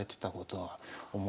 はい。